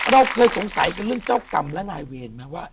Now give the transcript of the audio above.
เราเคยสงสัยกันเรื่องเจ้ากรรมและนายเวรไหมว่า